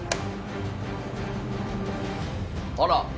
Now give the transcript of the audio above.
あら！